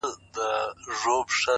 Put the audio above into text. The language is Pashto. زه يې د ميني په چل څنگه پوه كړم’